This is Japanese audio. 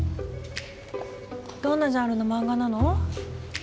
どんなジャンルの漫画なの？